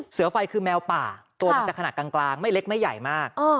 เสือไฟคือแมวป่าตัวมันจะขนาดกลางไม่เล็กไม่ใหญ่มาก